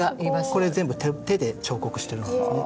これ全部手で彫刻してるんですね。